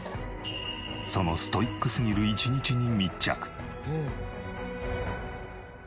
そのストイックすぎる１日に密着。